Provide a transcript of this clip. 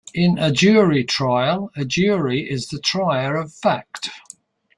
In a jury trial, a jury is the trier of fact.